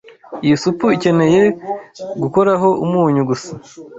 Iyi supu ikeneye gukoraho umunyu gusa.